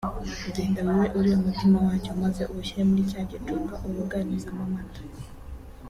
“genda wibe uriya mutima wacyo maze uwushyire muri cya gicuba ubuganizamo amata”